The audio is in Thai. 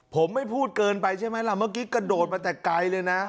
ผมไม่พูดเกินไปใช่ไหมล่ะเมื่อกี้กระโดดมาแต่ไกลเลยนะ